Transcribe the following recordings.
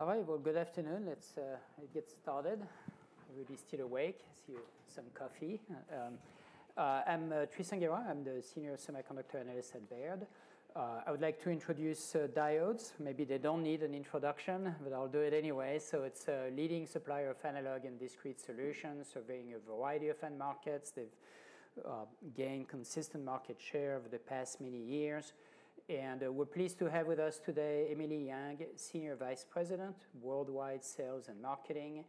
All right, good afternoon. Let's get started. Everybody's still awake. I see you have some coffee. I'm Tristan Gerra. I'm the Senior Semiconductor Analyst at Baird. I would like to introduce Diodes. Maybe they don't need an introduction, but I'll do it anyway. It is a leading supplier of analog and discrete solutions, serving a variety of end markets. They've gained consistent market share over the past many years. We're pleased to have with us today Emily Yang, Senior Vice President, Worldwide Sales and Marketing,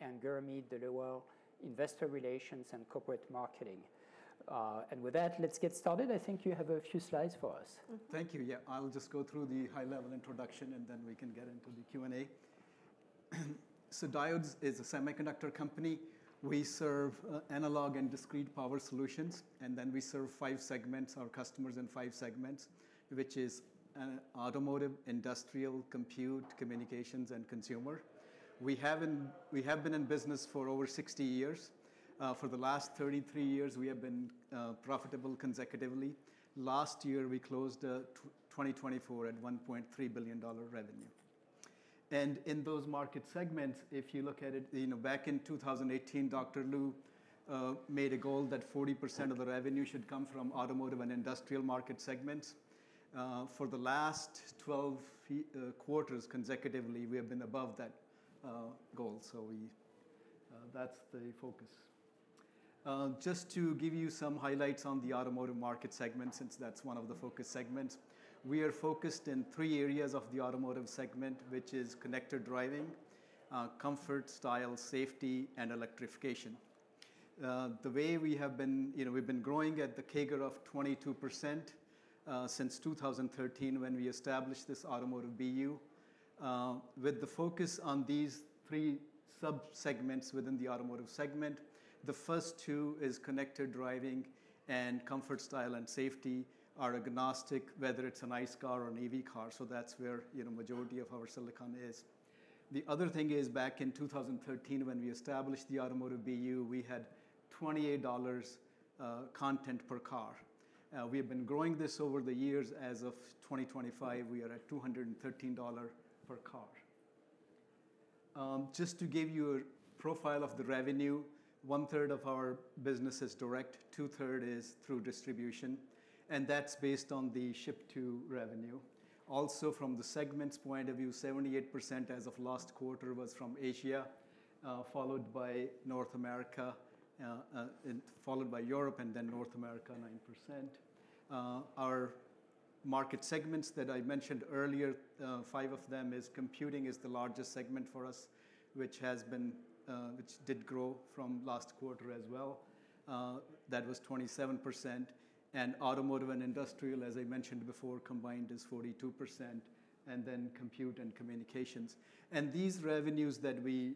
and Gurmeet Dhaliwal, Investor Relations and Corporate Marketing. With that, let's get started. I think you have a few slides for us. Thank you. Yeah, I'll just go through the high-level introduction, and then we can get into the Q&A. So Diodes is a semiconductor company. We serve analog and discrete power solutions, and then we serve five segments, our customers in five segments, which is automotive, industrial, compute, communications, and consumer. We have been in business for over 60 years. For the last 33 years, we have been profitable consecutively. Last year, we closed 2024 at $1.3 billion revenue. And in those market segments, if you look at it, you know, back in 2018, Dr. Lu made a goal that 40% of the revenue should come from automotive and industrial market segments. For the last 12 quarters consecutively, we have been above that goal. That is the focus. Just to give you some highlights on the automotive market segment, since that's one of the focus segments, we are focused in three areas of the automotive segment, which is connected driving, comfort, style, safety, and electrification. The way we have been, you know, we've been growing at the CAGR of 22% since 2013 when we established this automotive BU, with the focus on these three subsegments within the automotive segment. The first two is connected driving and comfort, style, and safety are agnostic, whether it's an ICE car or an EV car. That's where, you know, the majority of our silicon is. The other thing is, back in 2013, when we established the automotive BU, we had $28 content per car. We have been growing this over the years. As of 2025, we are at $213 per car. Just to give you a profile of the revenue, one-third of our business is direct, two-thirds is through distribution, and that's based on the ship-to revenue. Also, from the segments point of view, 78% as of last quarter was from Asia, followed by North America, and followed by Europe, and then North America, 9%. Our market segments that I mentioned earlier, five of them, is computing is the largest segment for us, which has been, which did grow from last quarter as well. That was 27%. And automotive and industrial, as I mentioned before, combined is 42%, and then compute and communications. And these revenues that we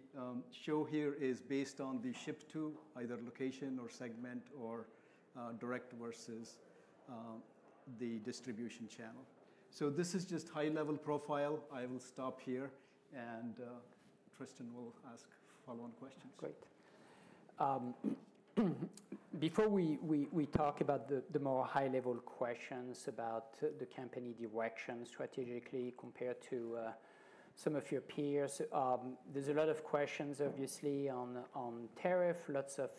show here are based on the ship-to either location or segment or direct versus the distribution channel. This is just high-level profile. I will stop here, and Tristan will ask follow-on questions. Great. Before we talk about the more high-level questions about the company direction strategically compared to some of your peers, there's a lot of questions, obviously, on tariff, lots of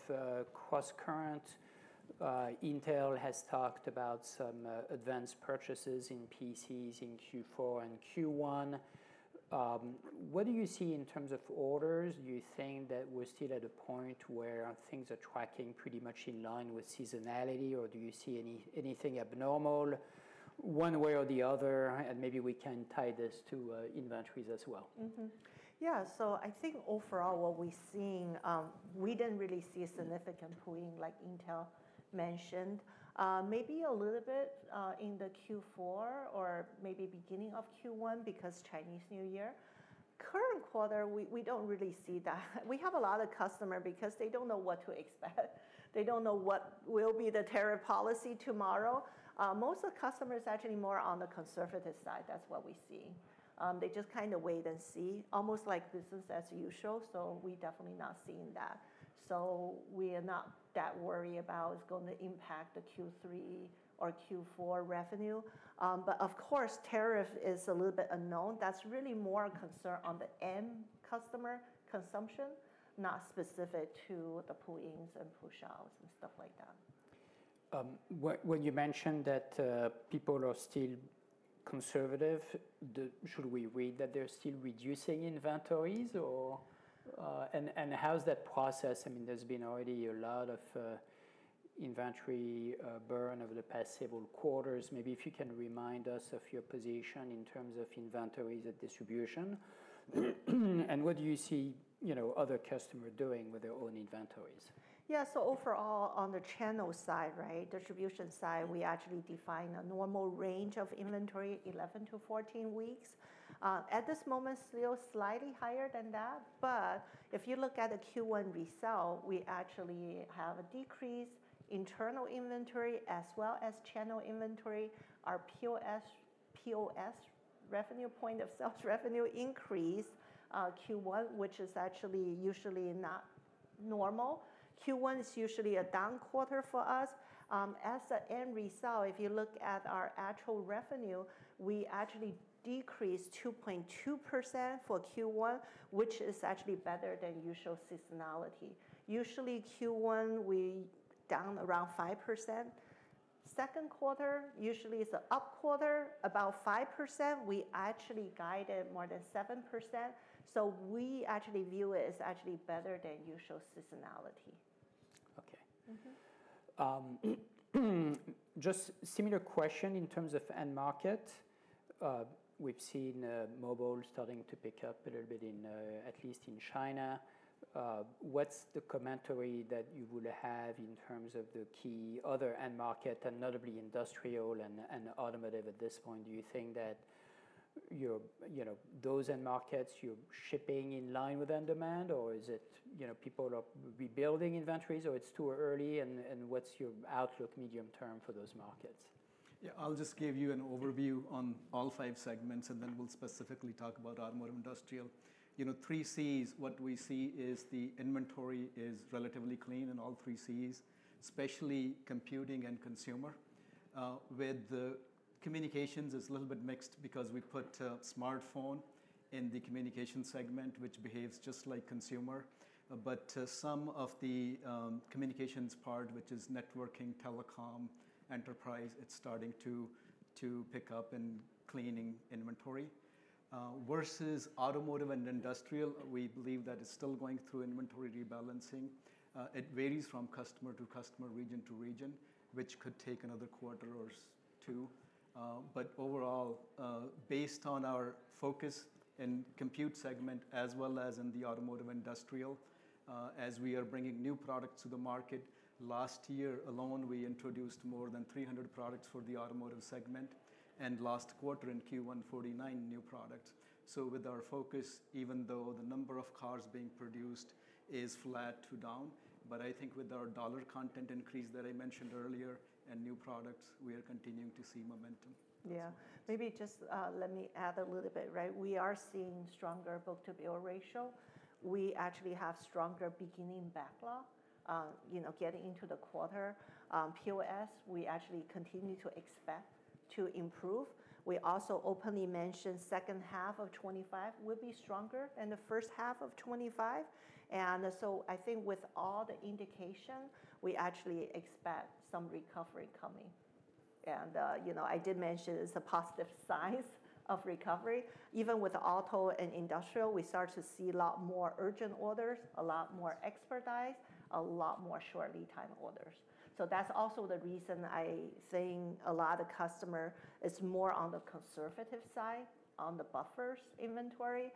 cross-current. Intel has talked about some advanced purchases in PCs in Q4 and Q1. What do you see in terms of orders? Do you think that we're still at a point where things are tracking pretty much in line with seasonality, or do you see anything abnormal one way or the other? Maybe we can tie this to inventories as well. Mm-hmm. Yeah. I think overall, what we're seeing, we didn't really see a significant pull-in, like Intel mentioned, maybe a little bit in Q4 or maybe beginning of Q1 because Chinese New Year. Current quarter, we don't really see that. We have a lot of customers because they don't know what to expect. They don't know what will be the tariff policy tomorrow. Most of the customers are actually more on the conservative side. That's what we see. They just kind of wait and see, almost like business as usual. We're definitely not seeing that. We are not that worried about it's going to impact the Q3 or Q4 revenue. Of course, tariff is a little bit unknown. That's really more a concern on the end customer consumption, not specific to the pull-ins and push-outs and stuff like that. When you mentioned that people are still conservative, should we read that they're still reducing inventories, or how's that process? I mean, there's been already a lot of inventory burn over the past several quarters. Maybe if you can remind us of your position in terms of inventories and distribution. What do you see, you know, other customers doing with their own inventories? Yeah. So overall, on the channel side, right, distribution side, we actually define a normal range of inventory, 11-14 weeks. At this moment, still slightly higher than that. But if you look at the Q1 results, we actually have a decrease in internal inventory as well as channel inventory. Our POS, POS revenue, point of sales revenue increased, Q1, which is actually usually not normal. Q1 is usually a down quarter for us. As an end result, if you look at our actual revenue, we actually decreased 2.2% for Q1, which is actually better than usual seasonality. Usually, Q1, we down around 5%. Second quarter, usually it is an up quarter, about 5%. We actually guided more than 7%. We actually view it as actually better than usual seasonality. Okay. Mm-hmm. Just similar question in terms of end market. We've seen mobile starting to pick up a little bit in, at least in China. What's the commentary that you would have in terms of the key other end market, and notably industrial and automotive at this point? Do you think that your, you know, those end markets, you're shipping in line with end demand, or is it, you know, people are rebuilding inventories, or it's too early? What's your outlook medium term for those markets? Yeah, I'll just give you an overview on all five segments, and then we'll specifically talk about automotive industrial. You know, three Cs, what we see is the inventory is relatively clean in all three Cs, especially computing and consumer. With the communications, it's a little bit mixed because we put smartphone in the communication segment, which behaves just like consumer. Some of the communications part, which is networking, telecom, enterprise, it's starting to pick up in cleaning inventory. Versus automotive and industrial, we believe that it's still going through inventory rebalancing. It varies from customer to customer, region to region, which could take another quarter or two. But overall, based on our focus in compute segment as well as in the automotive industrial, as we are bringing new products to the market, last year alone, we introduced more than 300 products for the automotive segment, and last quarter in Q1, 49 new products. With our focus, even though the number of cars being produced is flat to down, I think with our dollar content increase that I mentioned earlier and new products, we are continuing to see momentum. Yeah. Maybe just, let me add a little bit, right? We are seeing stronger book-to-bill ratio. We actually have stronger beginning backlog, you know, getting into the quarter. POS, we actually continue to expect to improve. We also openly mentioned second half of 2025 will be stronger than the first half of 2025. I think with all the indication, we actually expect some recovery coming. You know, I did mention it's a positive sign of recovery. Even with auto and industrial, we start to see a lot more urgent orders, a lot more expedites, a lot more short lead time orders. That's also the reason I think a lot of customers is more on the conservative side on the buffers inventory.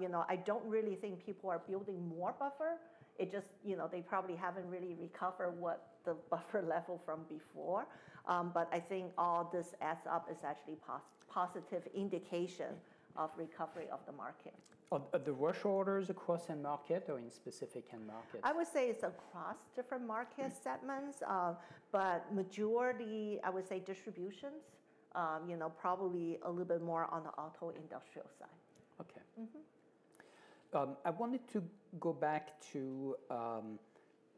You know, I don't really think people are building more buffer. It just, you know, they probably haven't really recovered what the buffer level from before. I think all this adds up is actually a pos-positive indication of recovery of the market. On the rush orders across end market or in specific end markets? I would say it's across different market segments. The majority, I would say, distributions, you know, probably a little bit more on the auto industrial side. Okay. Mm-hmm. I wanted to go back to,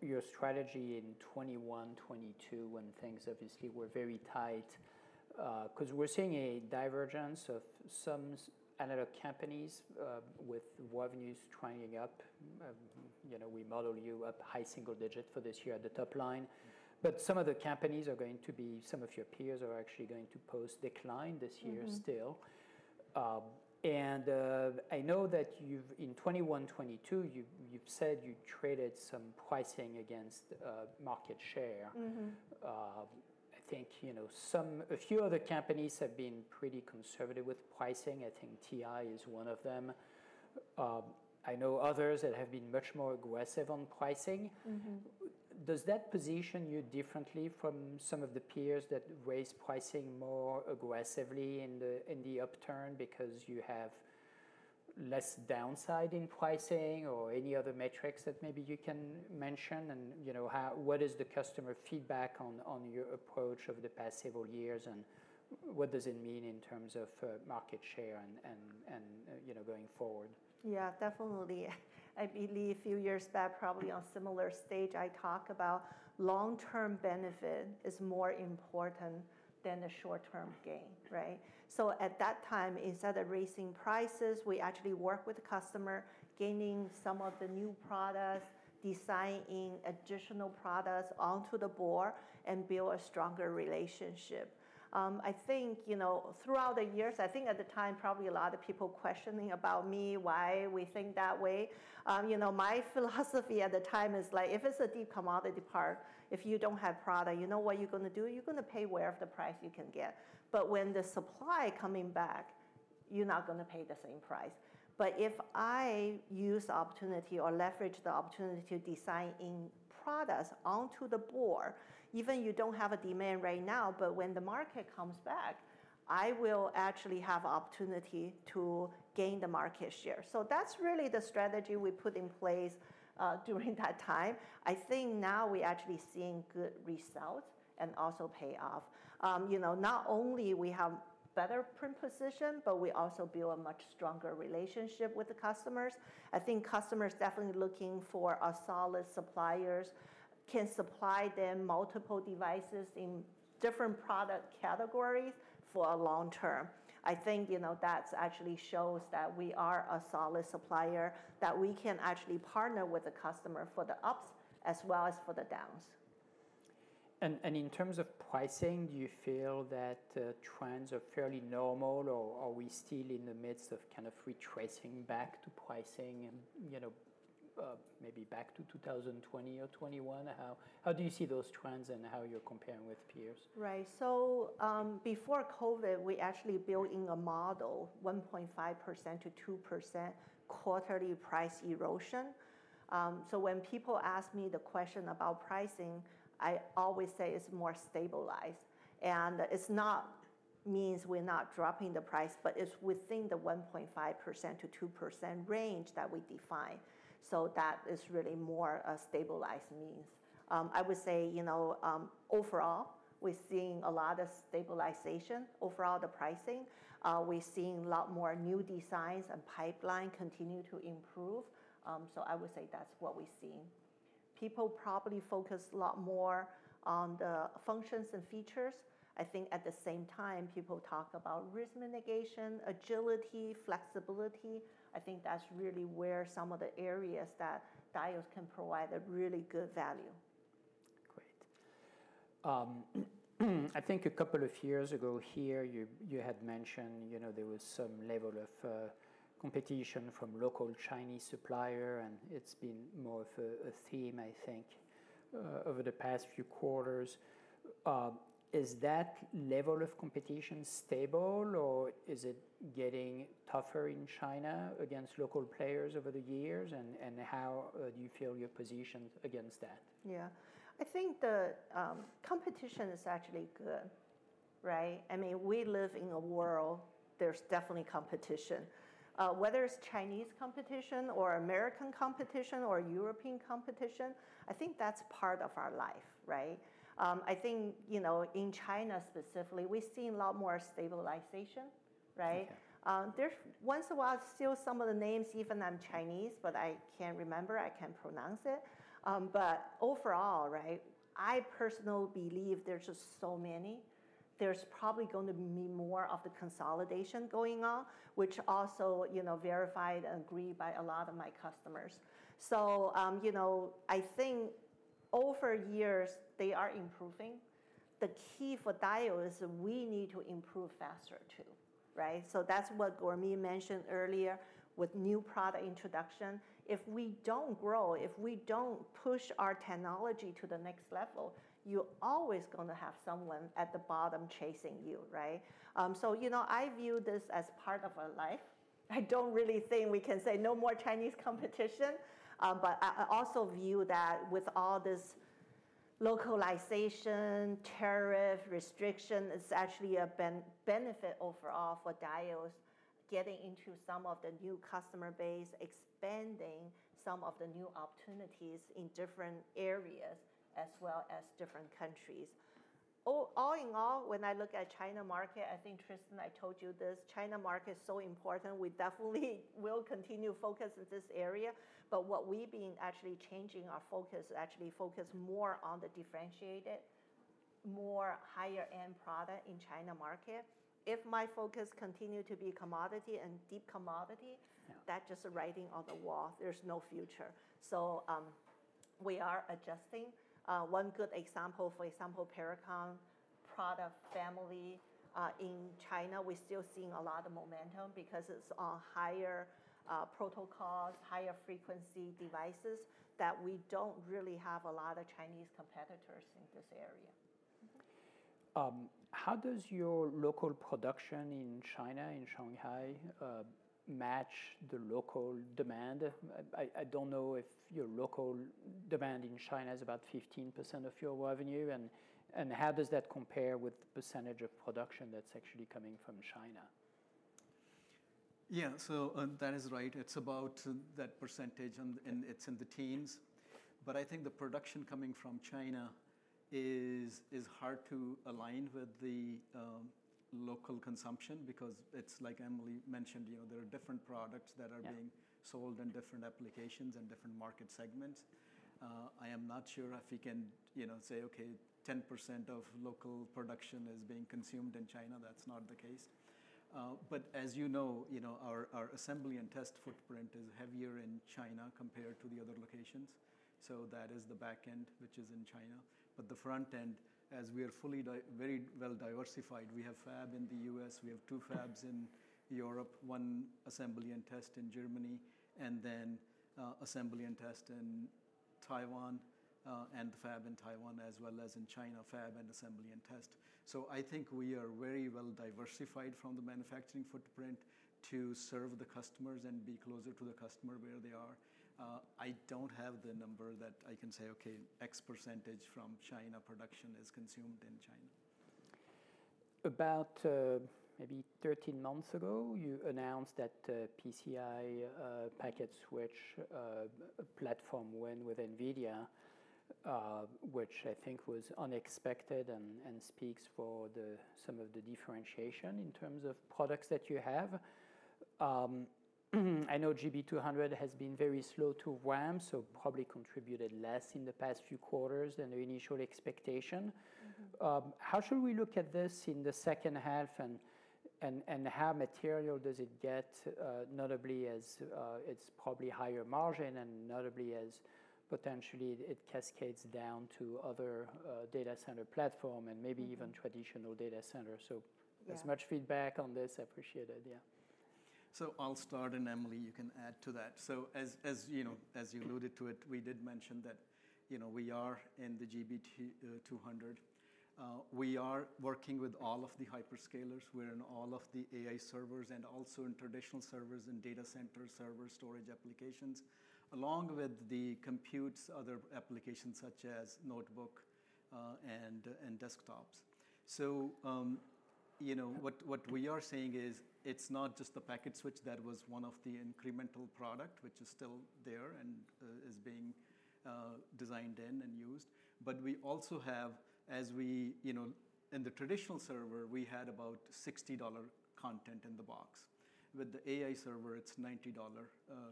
your strategy in 2021, 2022 when things obviously were very tight, 'cause we're seeing a divergence of some other companies, with revenues drying up, you know, we model you up high single digit for this year at the top line. Some of the companies are going to be, some of your peers are actually going to post decline this year still. Mm-hmm. I know that you've, in 2021, 2022, you've said you traded some pricing against market share. Mm-hmm. I think, you know, a few other companies have been pretty conservative with pricing. I think TI is one of them. I know others that have been much more aggressive on pricing. Mm-hmm. Does that position you differently from some of the peers that raise pricing more aggressively in the upturn because you have less downside in pricing or any other metrics that maybe you can mention? You know, how, what is the customer feedback on your approach over the past several years? What does it mean in terms of market share and, you know, going forward? Yeah, definitely. I believe a few years back, probably on similar stage, I talk about long-term benefit is more important than the short-term gain, right? At that time, instead of raising prices, we actually work with the customer, gaining some of the new products, designing additional products onto the board, and build a stronger relationship. I think, you know, throughout the years, I think at the time, probably a lot of people questioning about me, why we think that way. You know, my philosophy at the time is like, if it's a deep commodity part, if you don't have product, you know what you're gonna do? You're gonna pay whatever the price you can get. When the supply coming back, you're not gonna pay the same price. If I use opportunity or leverage the opportunity to design in products onto the board, even if you do not have a demand right now, when the market comes back, I will actually have opportunity to gain the market share. That is really the strategy we put in place during that time. I think now we are actually seeing good results and also payoff. You know, not only do we have better print position, but we also build a much stronger relationship with the customers. I think customers definitely are looking for solid suppliers who can supply them multiple devices in different product categories for the long term. I think, you know, that actually shows that we are a solid supplier, that we can actually partner with the customer for the ups as well as for the downs. In terms of pricing, do you feel that trends are fairly normal, or are we still in the midst of kind of retracing back to pricing and, you know, maybe back to 2020 or 2021? How do you see those trends and how you're comparing with peers? Right. Before COVID, we actually built in a model, 1.5%-2% quarterly price erosion. When people ask me the question about pricing, I always say it is more stabilized. It does not mean we are not dropping the price, but it is within the 1.5%-2% range that we define. That is really more what stabilized means. I would say, you know, overall, we are seeing a lot of stabilization overall in the pricing. We are seeing a lot more new designs and the pipeline continues to improve. I would say that is what we are seeing. People probably focus a lot more on the functions and features. I think at the same time, people talk about risk mitigation, agility, flexibility. I think that is really where some of the areas that Diodes can provide a really good value. Great. I think a couple of years ago here, you had mentioned, you know, there was some level of competition from local Chinese supplier, and it's been more of a theme, I think, over the past few quarters. Is that level of competition stable, or is it getting tougher in China against local players over the years? How do you feel you're positioned against that? Yeah. I think the competition is actually good, right? I mean, we live in a world, there's definitely competition. Whether it's Chinese competition or American competition or European competition, I think that's part of our life, right? I think, you know, in China specifically, we've seen a lot more stabilization, right? Okay. There's once in a while still some of the names, even I'm Chinese, but I can't remember, I can't pronounce it. But overall, right, I personally believe there's just so many. There's probably gonna be more of the consolidation going on, which also, you know, verified and agreed by a lot of my customers. So, you know, I think over years, they are improving. The key for Diodes is we need to improve faster too, right? That's what Gurmeet mentioned earlier with new product introduction. If we don't grow, if we don't push our technology to the next level, you're always gonna have someone at the bottom chasing you, right? So, you know, I view this as part of our life. I don't really think we can say no more Chinese competition. I also view that with all this localization, tariff restriction, it's actually a benefit overall for Diodes getting into some of the new customer base, expanding some of the new opportunities in different areas as well as different countries. All in all, when I look at China market, I think, Tristan, I told you this, China market's so important. We definitely will continue focus in this area. What we've been actually changing our focus is actually focus more on the differentiated, more higher-end product in China market. If my focus continue to be commodity and deep commodity. Yeah. That just writing on the wall, there's no future. So, we are adjusting. One good example, for example, Pericom product family, in China, we're still seeing a lot of momentum because it's on higher protocols, higher frequency devices that we don't really have a lot of Chinese competitors in this area. Mm-hmm. How does your local production in China, in Shanghai, match the local demand? I don't know if your local demand in China is about 15% of your revenue. How does that compare with the percentage of production that's actually coming from China? Yeah, so, that is right. It's about that percentage, and it's in the teens. I think the production coming from China is hard to align with the local consumption because it's like Emily mentioned, you know, there are different products that are being sold in different applications and different market segments. I am not sure if we can, you know, say, okay, 10% of local production is being consumed in China. That's not the case. As you know, our assembly and test footprint is heavier in China compared to the other locations. That is the backend, which is in China. The front end, as we are fully very well diversified, we have a fab in the U.S., we have two fabs in Europe, one assembly and test in Germany, and then assembly and test in Taiwan, and the fab in Taiwan, as well as in China, fab and assembly and test. I think we are very well diversified from the manufacturing footprint to serve the customers and be closer to the customer where they are. I do not have the number that I can say, okay, X percentage from China production is consumed in China. About, maybe 13 months ago, you announced that PCIe packet switch platform went with NVIDIA, which I think was unexpected and speaks for some of the differentiation in terms of products that you have. I know GB200 has been very slow to ramp, so probably contributed less in the past few quarters than the initial expectation. How should we look at this in the second half and how material does it get, notably as it is probably higher margin and notably as potentially it cascades down to other data center platform and maybe even traditional data center? Yeah. As much feedback on this, I appreciate it. Yeah. I'll start, and Emily, you can add to that. As you know, as you alluded to, we did mention that we are in the GB200. We are working with all of the hyperscalers. We're in all of the AI servers and also in traditional servers and data center server storage applications along with the compute, other applications such as notebook and desktops. What we are saying is it's not just the packet switch that was one of the incremental products, which is still there and is being designed in and used. We also have, as we, in the traditional server, we had about $60 content in the box. With the AI server, it's $90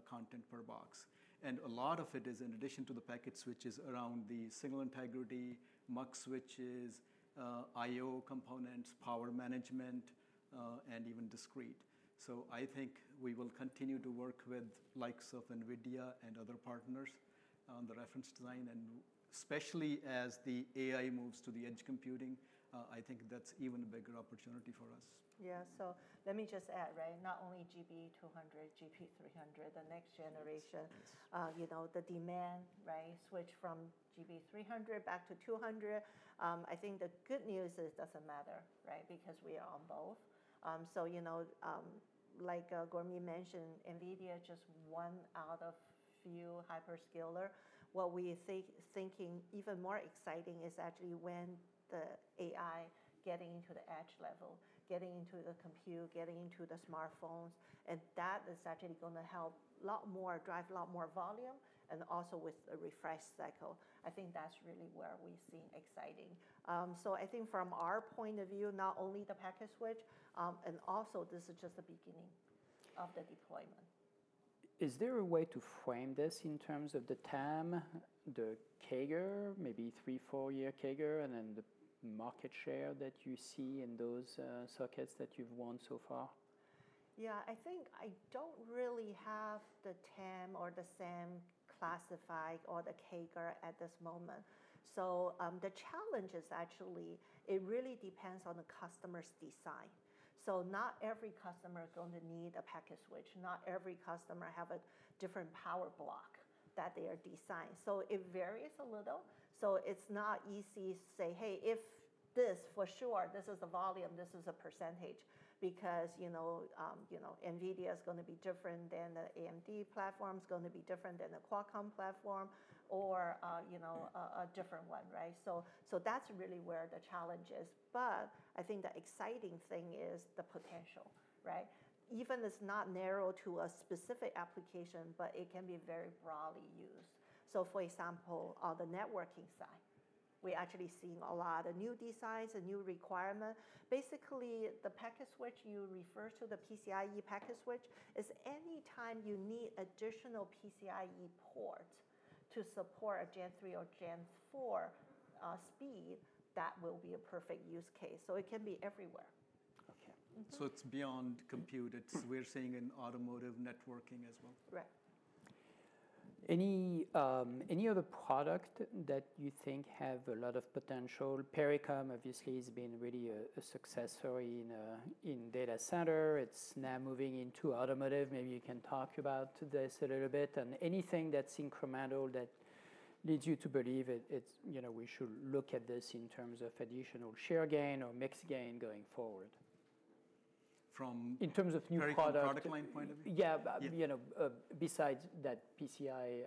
content per box. A lot of it is in addition to the packet switches around the signal integrity, Mux switches, IO components, power management, and even discrete. I think we will continue to work with the likes of NVIDIA and other partners on the reference design, and especially as the AI moves to the edge computing, I think that's even a bigger opportunity for us. Yeah. So let me just add, right? Not only GB200, GB300, the next generation. Yes. You know, the demand, right, switched from GB300 back to 200. I think the good news is it does not matter, right? Because we are on both. So, you know, like Gurmeet mentioned, NVIDIA is just one out of a few hyperscalers. What we think, thinking even more exciting, is actually when the AI is getting into the edge level, getting into the compute, getting into the smartphones, and that is actually going to help a lot more, drive a lot more volume, and also with the refresh cycle. I think that is really where we are seeing exciting. So I think from our point of view, not only the packet switch, and also this is just the beginning of the deployment. Is there a way to frame this in terms of the TAM, the CAGR, maybe three- or four-year CAGR, and then the market share that you see in those circuits that you've won so far? Yeah. I think I don't really have the TAM or the SAM classified or the CAGR at this moment. The challenge is actually it really depends on the customer's design. Not every customer is gonna need a packet switch. Not every customer has a different power block that they are designed. It varies a little. It's not easy to say, "Hey, if this for sure, this is a volume, this is a percentage," because, you know, NVIDIA is gonna be different than the AMD platform, is gonna be different than the Qualcomm platform, or, you know, a different one, right? That's really where the challenge is. I think the exciting thing is the potential, right? Even it's not narrow to a specific application, but it can be very broadly used. For example, on the networking side, we're actually seeing a lot of new designs, a new requirement. Basically, the packet switch you refer to, the PCIe packet switch, is anytime you need additional PCIe ports to support a Gen 3 or Gen 4 speed, that will be a perfect use case. It can be everywhere. Okay. Mm-hmm. It's beyond compute. It's we're seeing in automotive networking as well. Right. Any other product that you think have a lot of potential? Pericom, obviously, has been really a success story in data center. It's now moving into automotive. Maybe you can talk about this a little bit. Anything that's incremental that leads you to believe it, it's, you know, we should look at this in terms of additional share gain or mix gain going forward? From. In terms of new products. Pericom product line point of view? Yeah. You know, besides that PCIe,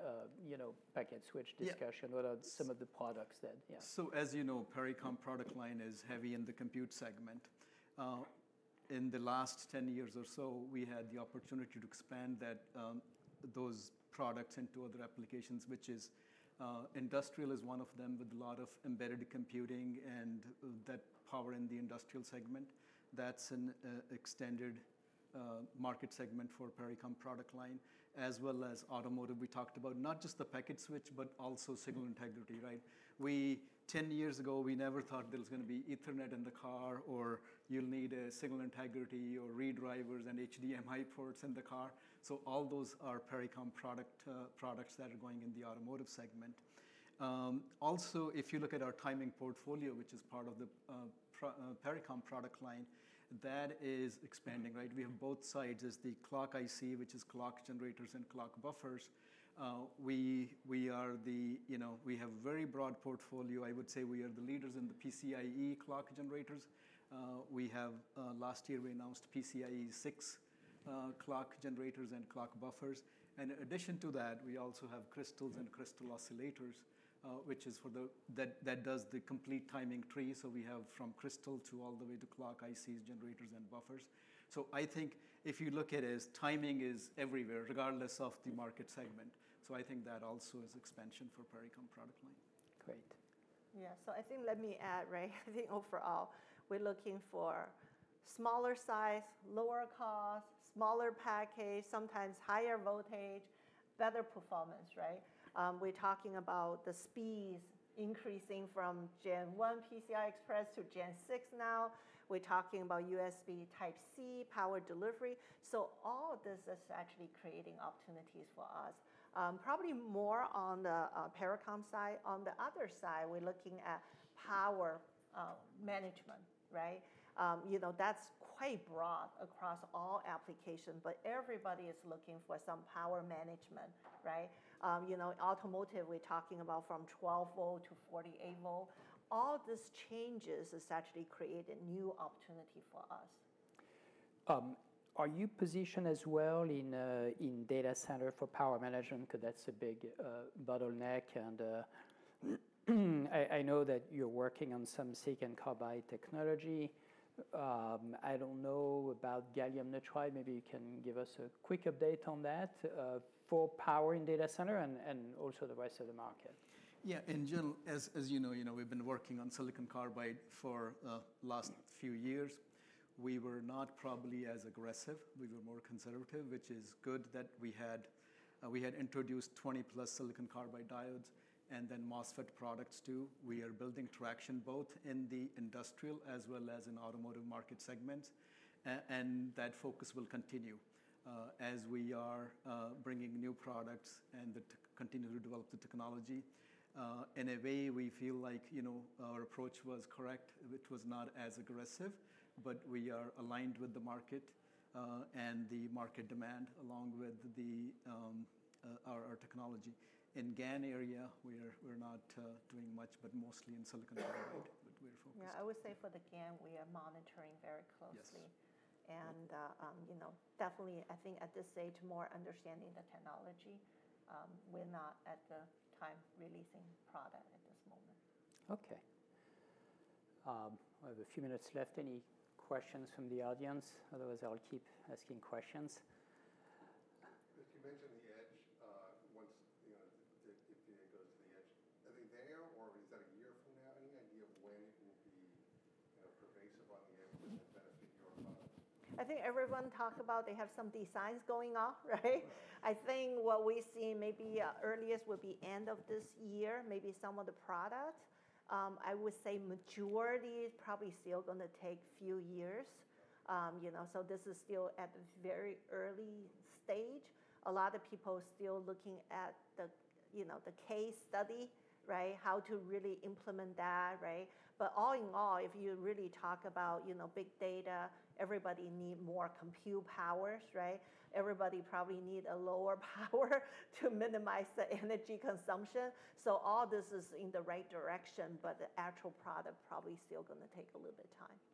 you know, packet switch discussion. Yeah. What are some of the products that, yeah? As you know, Pericom product line is heavy in the compute segment. In the last 10 years or so, we had the opportunity to expand that, those products into other applications, which is, industrial is one of them with a lot of embedded computing and that power in the industrial segment. That's an extended market segment for Pericom product line, as well as automotive. We talked about not just the packet switch, but also signal integrity, right? Ten years ago, we never thought there was gonna be Ethernet in the car or you'd need a signal integrity or redrivers and HDMI ports in the car. All those are Pericom products that are going in the automotive segment. Also, if you look at our timing portfolio, which is part of the Pericom product line, that is expanding, right? We have both sides. There's the clock IC, which is clock generators and clock buffers. We are the, you know, we have a very broad portfolio. I would say we are the leaders in the PCIe clock generators. We have, last year we announced PCIe 6 clock generators and clock buffers. In addition to that, we also have crystals and crystal oscillators, which is for the, that does the complete timing tree. We have from crystal all the way to clock ICs, generators, and buffers. I think if you look at it as timing is everywhere, regardless of the market segment. I think that also is expansion for Pericom product line. Great. Yeah. I think let me add, right? I think overall, we're looking for smaller size, lower cost, smaller package, sometimes higher voltage, better performance, right? We're talking about the speeds increasing from Gen 1 PCI Express to Gen 6 now. We're talking about USB Type-C power delivery. All this is actually creating opportunities for us, probably more on the Pericom side. On the other side, we're looking at power management, right? You know, that's quite broad across all applications, but everybody is looking for some power management, right? You know, automotive, we're talking about from 12 volt to 48 volt. All this changes is actually creating new opportunity for us. Are you positioned as well in, in data center for power management? 'Cause that's a big bottleneck. And, I, I know that you're working on some silicon carbide technology. I don't know about gallium nitride. Maybe you can give us a quick update on that, for power in data center and, and also the rest of the market. Yeah. In general, as you know, we've been working on silicon carbide for the last few years. We were not probably as aggressive. We were more conservative, which is good that we had introduced 20+ silicon carbide diodes and then MOSFET products too. We are building traction both in the industrial as well as in automotive market segments. That focus will continue, as we are bringing new products and continue to develop the technology. In a way, we feel like, you know, our approach was correct. It was not as aggressive, but we are aligned with the market, and the market demand along with our technology. In GaN area, we are, we're not doing much, but mostly in silicon carbide, but we're focused. Yeah. I would say for the GaN, we are monitoring very closely. Yes. You know, definitely, I think at this stage, more understanding the technology. We're not at the time releasing product at this moment. Okay. We have a few minutes left. Any questions from the audience? Otherwise, I'll keep asking questions. If you mentioned the edge, once, you know, if the idea goes to the edge, are they there or is that a year from now? Any idea of when it will be, you know, pervasive on the edge that benefit your cloud? I think everyone talked about they have some designs going on, right? Yeah. I think what we see maybe earliest would be end of this year, maybe some of the product. I would say majority is probably still gonna take a few years. Yeah. You know, this is still at the very early stage. A lot of people are still looking at the, you know, the case study, right? How to really implement that, right? All in all, if you really talk about, you know, big data, everybody need more compute powers, right? Everybody probably need a lower power to minimize the energy consumption. All this is in the right direction, but the actual product probably still gonna take a little bit of time. All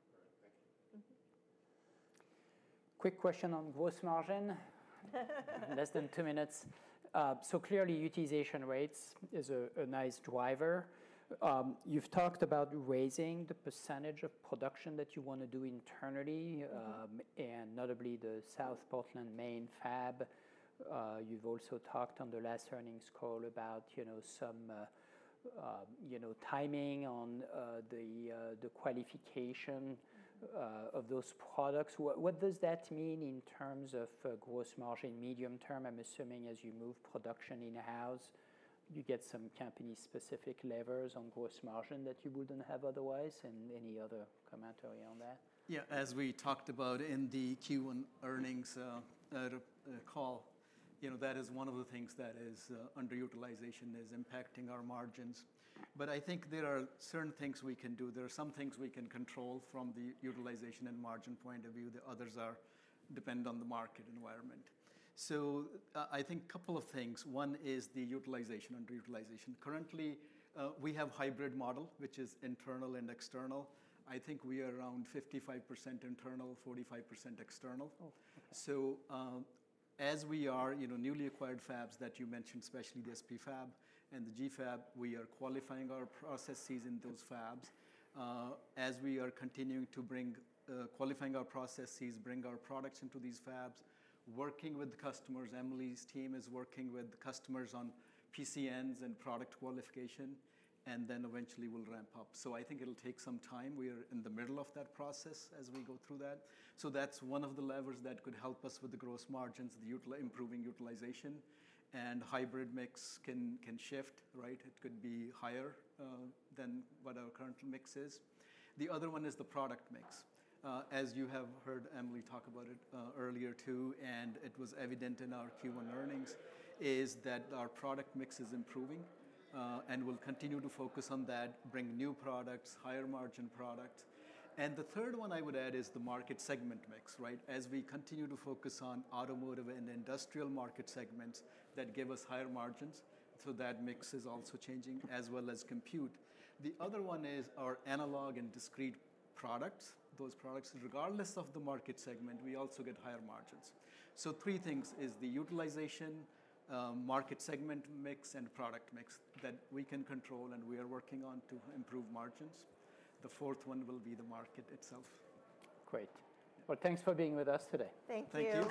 right. Thank you. Mm-hmm. Quick question on gross margin. Less than two minutes. So clearly, utilization rates is a nice driver. You've talked about raising the percentage of production that you wanna do internally. Yeah. And notably the South Portland, Maine Fab. You have also talked on the last earnings call about, you know, some, you know, timing on, the, the qualification, of those products. What does that mean in terms of gross margin medium term? I'm assuming as you move production in-house, you get some company-specific levers on gross margin that you would not have otherwise. Any other commentary on that? Yeah. As we talked about in the Q1 earnings call, you know, that is one of the things that is, underutilization is impacting our margins. I think there are certain things we can do. There are some things we can control from the utilization and margin point of view. The others depend on the market environment. I think a couple of things. One is the utilization, underutilization. Currently, we have hybrid model, which is internal and external. I think we are around 55% internal, 45% external. Oh. As we are, you know, newly acquired fabs that you mentioned, especially the SPFAB and the GFAB, we are qualifying our processes in those fabs. As we are continuing to bring, qualifying our processes, bring our products into these fabs, working with the customers. Emily's team is working with the customers on PCNs and product qualification, and then eventually we'll ramp up. I think it'll take some time. We are in the middle of that process as we go through that. That's one of the levers that could help us with the gross margins, the improving utilization. Hybrid mix can shift, right? It could be higher than what our current mix is. The other one is the product mix. As you have heard Emily talk about it earlier too, and it was evident in our Q1 earnings, is that our product mix is improving, and we will continue to focus on that, bring new products, higher margin products. The third one I would add is the market segment mix, right? As we continue to focus on automotive and industrial market segments that give us higher margins, that mix is also changing as well as compute. The other one is our analog and discrete products. Those products, regardless of the market segment, we also get higher margins. Three things are the utilization, market segment mix, and product mix that we can control and we are working on to improve margins. The fourth one will be the market itself. Great. Thanks for being with us today. Thank you. Thank you.